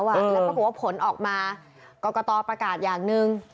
แล้วปรากฏว่าผลออกมากรกตประกาศอย่างหนึ่ง